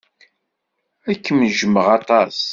Ad kem-jjmeɣ aṭas.